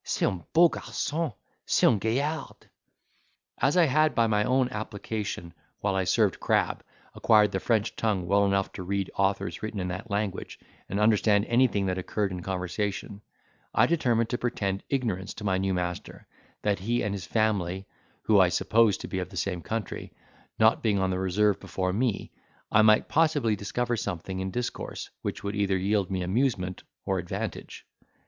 c'est un beau garçon; c'est un gaillard." As I had by my own application, while I served Crab, acquired the French tongue well enough to read authors written in that language and understand anything that occurred in conversation, I determined to pretend ignorance to my new master, that he and his family, whom I supposed to be of the same country, not being on the reserve before me, I might possibly discover something in discourse, which would either yield me amusement or advantage.